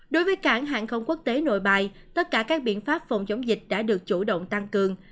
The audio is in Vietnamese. đối với cảng hàng không quốc tế nội bài tất cả các biện pháp phòng chống dịch đã được chủ động tăng cường